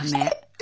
え